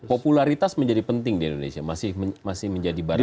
tapi popularitas menjadi penting di indonesia masih masih menjadi barangnya